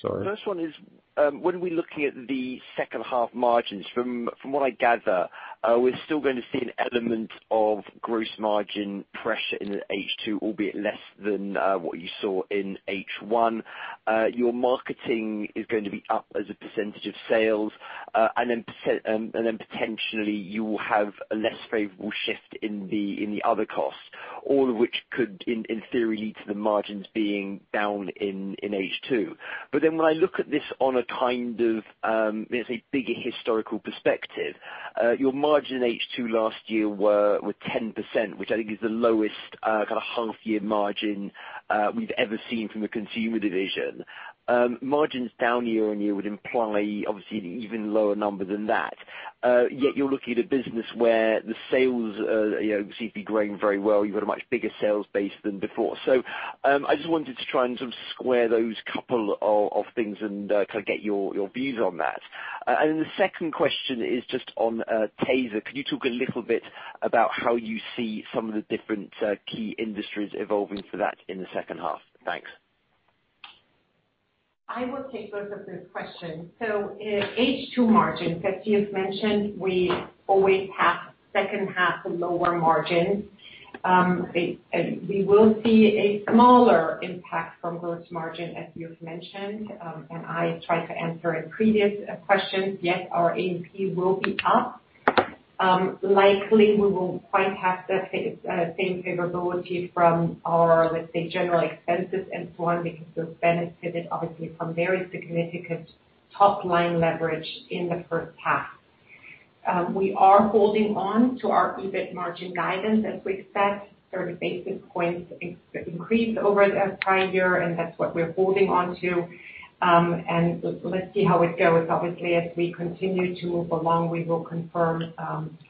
Speaker 2: Sorry.
Speaker 14: First one is, when are we looking at the second half margins? From what I gather, we're still gonna see an element of gross margin pressure in the H2, albeit less than what you saw in H1. Your marketing is going to be up as a percentage of sales, and then potentially you will have a less favorable shift in the other costs, all of which could, in theory, lead to the margins being down in H2. When I look at this on a kind of, let's say, bigger historical perspective, your margin H2 last year were 10%, which I think is the lowest kind of half year margin we've ever seen from the consumer division. Margins down year on year would imply obviously an even lower number than that. Yet you're looking at a business where the sales, you know, seem to be growing very well. You've got a much bigger sales base than before. I just wanted to try and sort of square those couple of things and kind of get your views on that. Then the second question is just on Tesa. Could you talk a little bit about how you see some of the different key industries evolving for that in the second half? Thanks.
Speaker 5: I will take both of those questions. H2 margin, as you've mentioned, we always have second half lower margin. We will see a smaller impact from those margin, as you've mentioned, and I tried to answer in previous questions. Yes, our A&P will be up. Likely we won't quite have the same favorability from our, let's say, general expenses and so on because those benefits give it obviously some very significant top-line leverage in the first half. We are holding on to our EBIT margin guidance as we set 30 basis points increase over the prior year, and that's what we're holding on to. Let's see how it goes. Obviously, as we continue to move along, we will confirm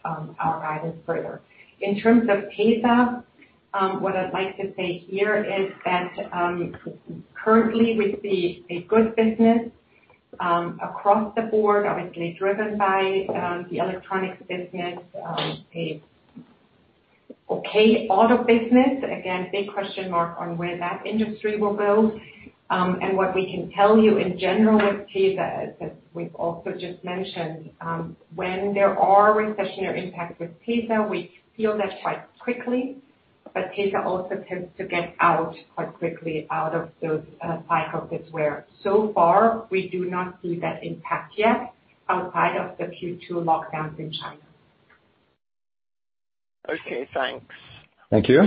Speaker 5: our guidance further. In terms of Tesa, what I'd like to say here is that, currently we see a good business, across the board, obviously driven by, the electronics business, an okay auto business. Again, big question mark on where that industry will go. What we can tell you in general with Tesa, as we've also just mentioned, when there are recessionary impacts with Tesa, we feel that quite quickly, but Tesa also tends to get out quite quickly of those cycles. It's where so far we do not see that impact yet outside of the Q2 lockdowns in China.
Speaker 14: Okay, thanks.
Speaker 2: Thank you.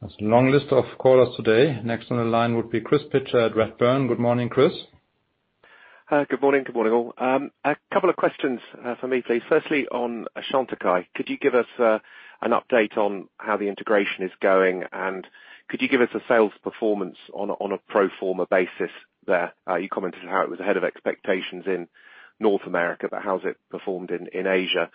Speaker 2: There's a long list of callers today. Next on the line would be Chris Pitcher at Redburn. Good morning, Chris.
Speaker 15: Good morning, all. A couple of questions for me, please. Firstly, on Chantecaille, could you give us an update on how the integration is going, and could you give us a sales performance on a pro forma basis there? You commented how it was ahead of expectations in North America, but how's it performed in Asia?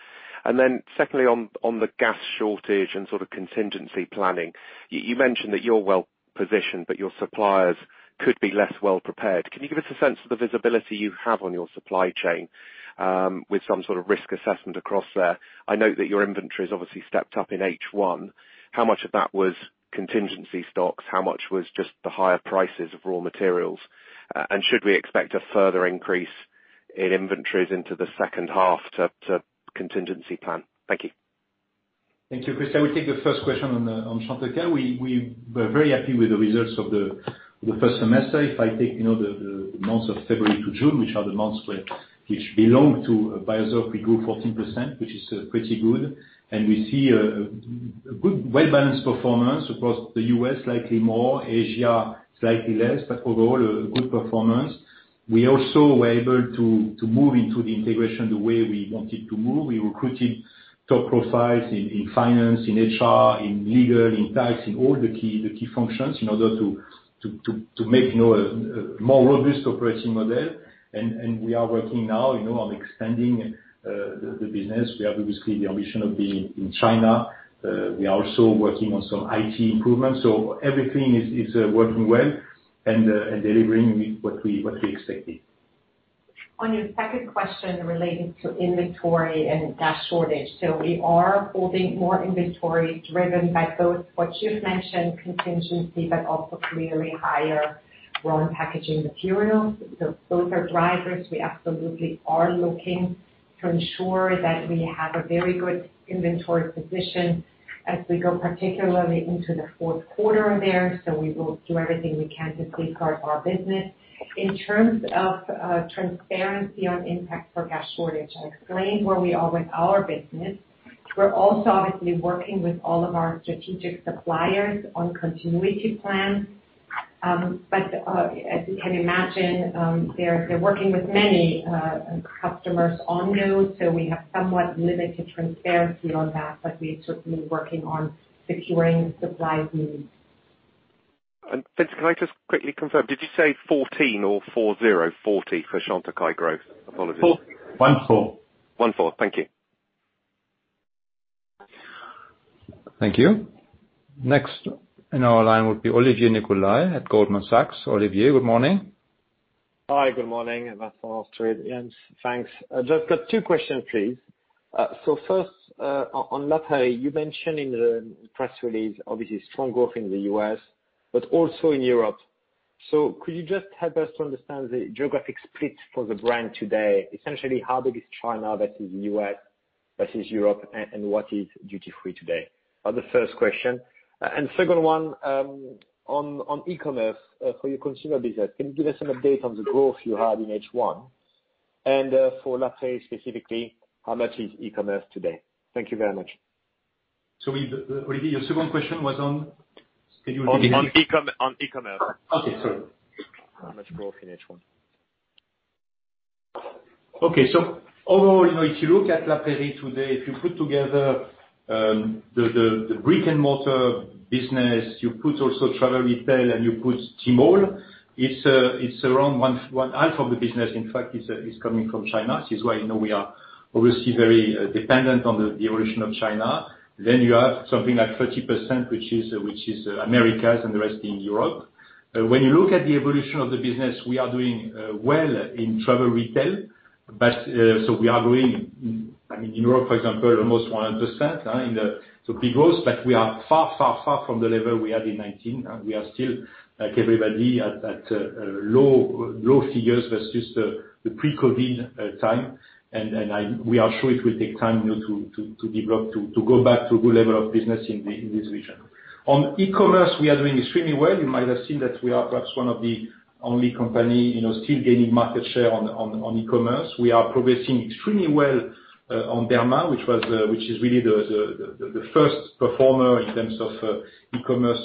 Speaker 15: Secondly, on the gas shortage and sort of contingency planning, you mentioned that you're well-positioned, but your suppliers could be less well-prepared. Can you give us a sense of the visibility you have on your supply chain, with some sort of risk assessment across there? I note that your inventory's obviously stepped up in H1. How much of that was contingency stocks? How much was just the higher prices of raw materials? Should we expect a further increase in inventories into the second half to contingency plan? Thank you.
Speaker 4: Thank you, Chris. I will take the first question on Chantecaille. We're very happy with the results of the first semester. If I take, you know, the months of February to June, which are the months where which belong to Beiersdorf, we grew 14%, which is pretty good. We see a good well-balanced performance across the U.S., slightly more, Asia, slightly less, but overall a good performance. We also were able to move into the integration the way we wanted to move. We recruited top profiles in finance, in HR, in legal, in tax, in all the key functions, in order to make, you know, a more robust operating model. We are working now, you know, on extending the business. We have obviously the ambition of being in China. We are also working on some IT improvements. Everything is working well and delivering what we expected.
Speaker 5: On your second question relating to inventory and gas shortage, we are holding more inventory driven by both what you've mentioned, contingency, but also clearly higher raw packaging materials. Those are drivers. We absolutely are looking to ensure that we have a very good inventory position as we go, particularly into the fourth quarter there. We will do everything we can to safeguard our business. In terms of transparency on impact for gas shortage, I explained where we are with our business. We're also obviously working with all of our strategic suppliers on continuity plans. As you can imagine, they're working with many customers on those, so we have somewhat limited transparency on that, but we're certainly working on securing supply needs.
Speaker 15: Vincent, can I just quickly confirm, did you say 14% or 40%, 40% for Chantecaille growth? Apologies.
Speaker 4: 4.14%.
Speaker 15: 4.14%. Thank you.
Speaker 2: Thank you. Next in our line will be Olivier Nicolai at Goldman Sachs. Olivier, good morning.
Speaker 16: Hi, good morning.
Speaker 2: Thanks.
Speaker 16: I've just got two questions, please. First, on La Prairie, you mentioned in the press release, obviously strong growth in the U.S., but also in Europe. Could you just help us to understand the geographic split for the brand today? Essentially, how big is China versus U.S. versus Europe, and what is duty free today? The first question. Second one, on e-commerce, for your consumer business, can you give us an update on the growth you had in H1? For La Prairie specifically, how much is e-commerce today? Thank you very much.
Speaker 4: We, Olivier, your second question was on? Can you repeat?
Speaker 16: On e-commerce.
Speaker 4: Okay, sorry.
Speaker 16: How much growth in H1?
Speaker 4: Okay. Overall, you know, if you look at La Prairie today, if you put together the brick-and-mortar business, you put also travel retail, and you put Tmall, it's around one half of the business, in fact, is coming from China, which is why, you know, we are obviously very dependent on the evolution of China. You have something like 30%, which is Americas, and the rest in Europe. When you look at the evolution of the business, we are doing well in travel retail, but we are growing I mean, in Europe, for example, almost 100% in the big growth, but we are far from the level we had in 2019. We are still like everybody at low figures versus the pre-COVID time. We are sure it will take time, you know, to develop, to go back to good level of business in this region. On e-commerce, we are doing extremely well. You might have seen that we are perhaps one of the only company, you know, still gaining market share on e-commerce. We are progressing extremely well on Derma which is really the first performer in terms of e-commerce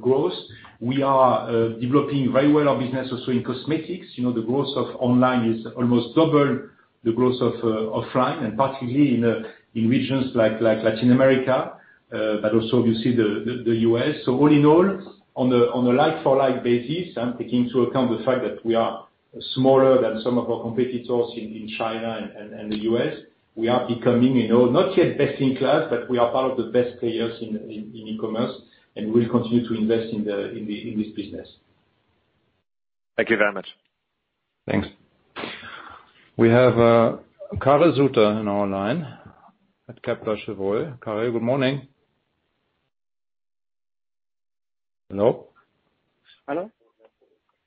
Speaker 4: growth. We are developing very well our business also in cosmetics. You know, the growth of online is almost double the growth of offline and particularly in regions like Latin America, but also obviously the U.S. All in all, on a like for like basis, I'm taking into account the fact that we are smaller than some of our competitors in China and the U.S. We are becoming, you know, not yet best in class, but we are part of the best players in e-commerce, and we'll continue to invest in this business.
Speaker 16: Thank you very much.
Speaker 2: Thanks. We have, Karel Zoete in our line at Kepler Cheuvreux. Karel, good morning.
Speaker 17: Hello? Hello?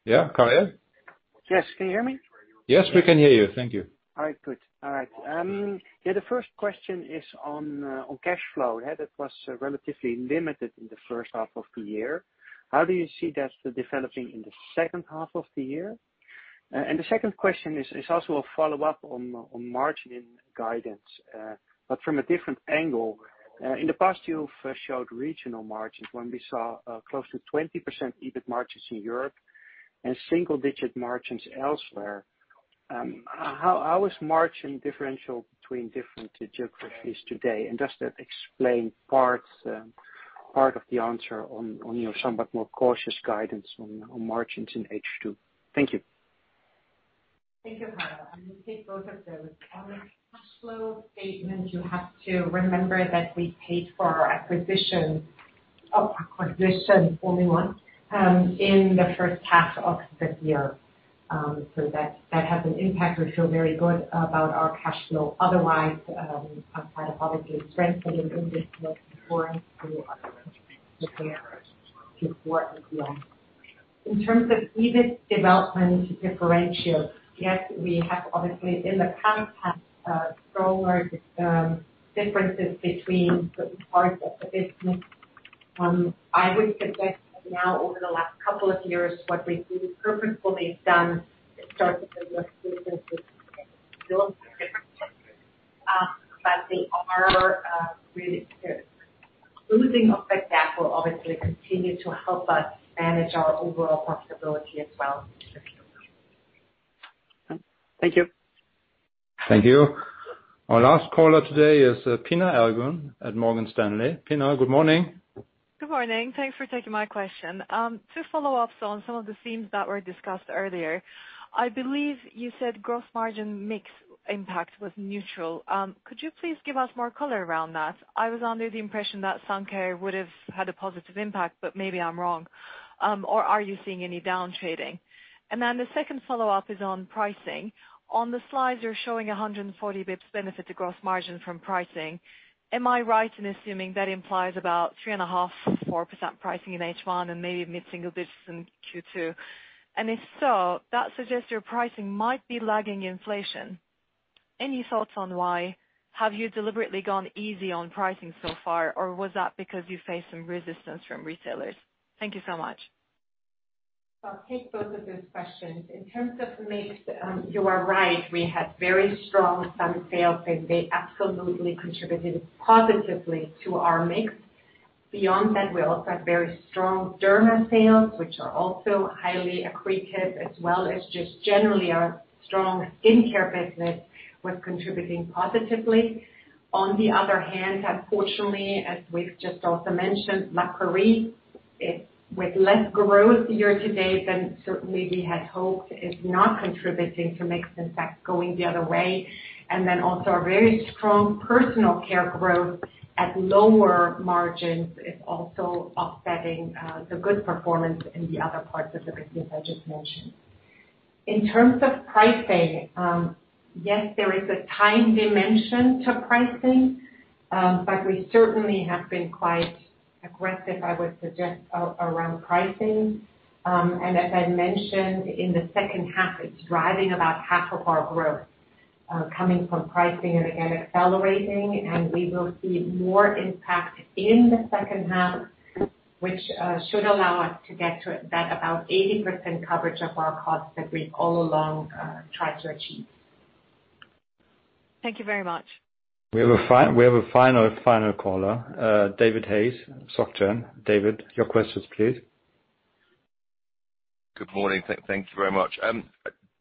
Speaker 2: Yeah, Karel?
Speaker 17: Yes. Can you hear me?
Speaker 2: Yes, we can hear you. Thank you.
Speaker 17: All right. Good. All right. Yeah, the first question is on cash flow. Yeah, that was relatively limited in the first half of the year. How do you see that developing in the second half of the year? The second question is also a follow-up on margin guidance, but from a different angle. In the past year, you showed regional margins when we saw close to 20% EBIT margins in Europe and single-digit margins elsewhere. How is margin differential between different geographies today? And does that explain part of the answer on your somewhat more cautious guidance on margins in H2? Thank you.
Speaker 5: Thank you, Karel. I'm gonna take both of those. On the cash flow statement, you have to remember that we paid for our acquisition only once in the first half of the year. That has an impact. We feel very good about our cash flow otherwise, outside of all the strengthening in Derma and through our core. In terms of EBIT development differential, yes, we have obviously in the past had stronger differences between the parts of the business. I would suggest that now over the last couple of years, what we've purposefully done is start to build businesses with, but they are really lasting effect that will obviously continue to help us manage our overall profitability as well.
Speaker 17: Thank you.
Speaker 2: Thank you. Our last caller today is Pinar Ergun at Morgan Stanley. Pinar, good morning.
Speaker 18: Good morning. Thanks for taking my question. Two follow-ups on some of the themes that were discussed earlier. I believe you said gross margin mix impact was neutral. Could you please give us more color around that? I was under the impression that sun care would've had a positive impact, but maybe I'm wrong. Or are you seeing any down trading? The second follow-up is on pricing. On the slides, you're showing 140 basis points benefit to gross margin from pricing. Am I right in assuming that implies about 3.5%, 4% pricing in H1 and maybe mid-single digits in Q2? If so, that suggests your pricing might be lagging inflation. Any thoughts on why? Have you deliberately gone easy on pricing so far, or was that because you faced some resistance from retailers? Thank you so much.
Speaker 5: I'll take both of those questions. In terms of mix, you are right, we had very strong sun sales, and they absolutely contributed positively to our mix. Beyond that, we also had very strong Derma sales, which are also highly accretive, as well as just generally our strong skincare business was contributing positively. On the other hand, unfortunately, as we've just also mentioned, makeup, it with less growth year to date than certainly we had hoped, is not contributing to mix. In fact, going the other way. Then also our very strong personal care growth at lower margins is also offsetting, the good performance in the other parts of the business I just mentioned. In terms of pricing, yes, there is a time dimension to pricing, but we certainly have been quite aggressive, I would suggest, around pricing. As I mentioned, in the second half, it's driving about half of our growth, coming from pricing and again, accelerating. We will see more impact in the second half, which should allow us to get to that about 80% coverage of our costs that we've all along tried to achieve.
Speaker 18: Thank you very much.
Speaker 2: We have a final caller, David Hayes, SocGen. David, your questions, please.
Speaker 19: Good morning. Thank you very much.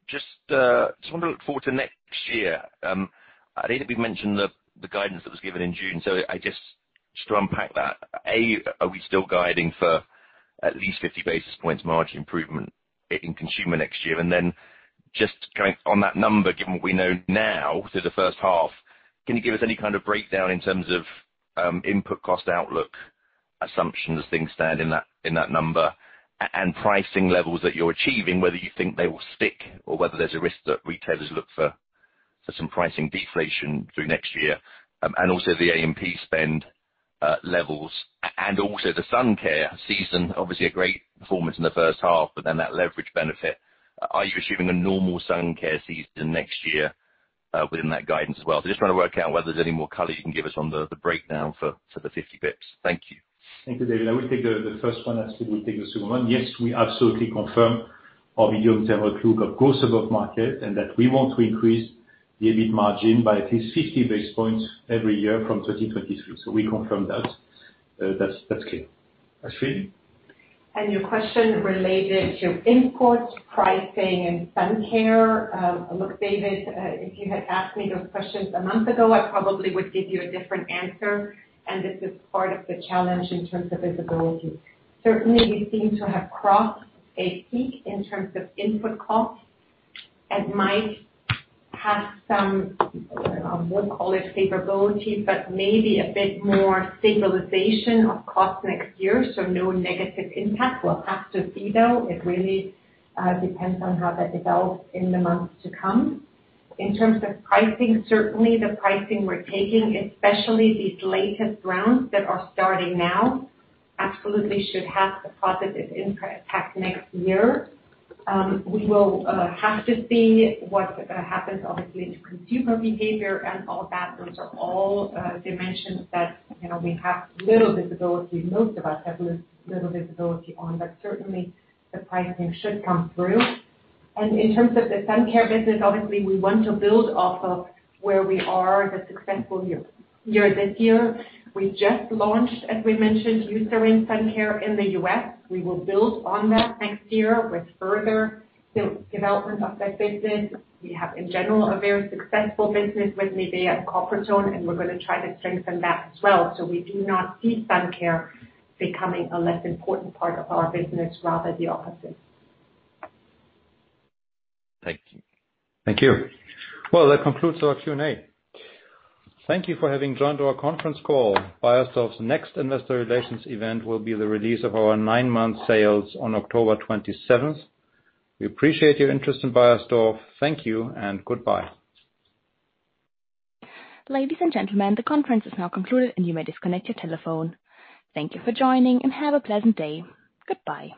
Speaker 19: Just want to look forward to next year. I think we've mentioned the guidance that was given in June. Just to unpack that, are we still guiding for at least 50 basis points margin improvement in consumer next year? Then just going on that number, given what we know now through the first half, can you give us any kind of breakdown in terms of input cost outlook assumptions as things stand in that number? And pricing levels that you're achieving, whether you think they will stick or whether there's a risk that retailers look for some pricing deflation through next year? And also the A&P spend levels. And also the sun care season, obviously a great performance in the first half, but then that leverage benefit. Are you assuming a normal sun care season next year within that guidance as well? Just trying to work out whether there's any more color you can give us on the breakdown for the 50 basis points. Thank you.
Speaker 4: Thank you, David. I will take the first one, Astrid will take the second one. Yes, we absolutely confirm our medium-term outlook, of course, above market, and that we want to increase the EBIT margin by at least 50 basis points every year from 2023. We confirm that. That's clear. Astrid?
Speaker 5: Your question related to input, pricing, and sun care. Look, David, if you had asked me those questions a month ago, I probably would give you a different answer. This is part of the challenge in terms of visibility. Certainly, we seem to have crossed a peak in terms of input costs that might have some, I would call it capabilities, but maybe a bit more stabilization of costs next year, so no negative impact. We'll have to see though. It really depends on how that develops in the months to come. In terms of pricing, certainly the pricing we're taking, especially these latest rounds that are starting now, absolutely should have a positive impact next year. We will have to see what happens obviously to consumer behavior and all that. Those are all dimensions that, you know, we have little visibility, most of us have little visibility on, but certainly the pricing should come through. In terms of the sun care business, obviously we want to build off of where we are the successful year this year. We just launched, as we mentioned, Eucerin Sun Care in the U.S. We will build on that next year with further development of that business. We have, in general, a very successful business with NIVEA and Coppertone, and we're gonna try to strengthen that as well. We do not see sun care becoming a less important part of our business, rather the opposite.
Speaker 19: Thank you.
Speaker 4: Thank you. Well, that concludes our Q&A. Thank you for having joined our conference call. Beiersdorf's next investor relations event will be the release of our nine-month sales on October 27th. We appreciate your interest in Beiersdorf. Thank you and goodbye.
Speaker 1: Ladies and gentlemen, the conference is now concluded and you may disconnect your telephone. Thank you for joining and have a pleasant day. Goodbye.